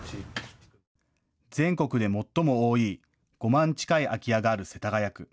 全国で最も多い、５万近い空き家がある世田谷区。